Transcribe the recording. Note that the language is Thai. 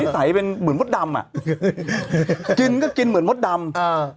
ใสเป็นเหมือนมดดำอ่ะกินก็กินเหมือนมดดำอ่า